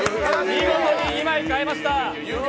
見事に２枚かえました。